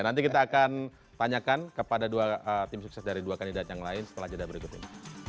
nanti kita akan tanyakan kepada dua tim sukses dari dua kandidat yang lain setelah jeda berikut ini